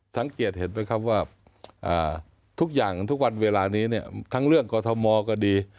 สังเกตเห็นไหมครับว่าทุกอย่างทุกวันเวลานี้เนี่ยทั้งเรื่องกอทมก็ดี